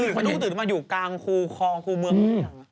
ตื่นมาอยู่กลางคู่คลองคู่เมือง